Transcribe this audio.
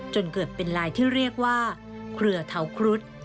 จนเกิดเป็นลายที่เรียกว่าเครือเทาครุฑ